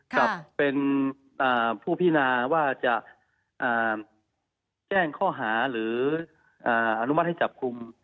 กับเป็นผู้พินาว่าจะแจ้งข้อหาหรืออนุมัติให้จับกลุ่ม